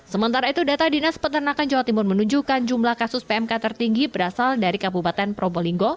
sementara itu data dinas peternakan jawa timur menunjukkan jumlah kasus pmk tertinggi berasal dari kabupaten probolinggo